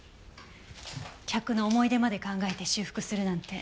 客の思い出まで考えて修復するなんて。